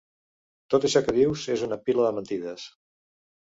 Tot això que dius és una pila de mentides!